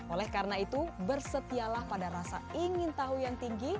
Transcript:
oleh karena itu bersetialah pada rasa ingin tahu yang tinggi